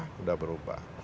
nah ini kan sudah berubah